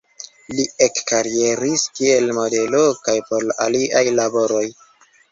Li ekkarieris kiel modelo kaj por aliaj laboroj.